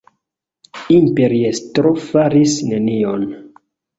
Imperiestro faris nenion.